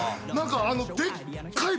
何かあの。